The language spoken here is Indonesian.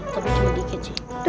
tapi cuman dikit sih